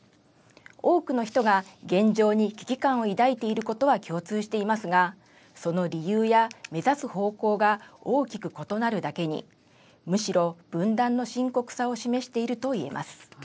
多くの人が現状に危機感を抱いていることは共通していますが、その理由や目指す方向が大きく異なるだけに、むしろ分断の深刻さを示しているといえます。